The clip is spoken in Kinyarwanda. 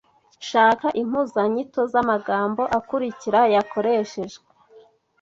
Shaka impuzanyito z’amagambo akurikira yakoreshejwe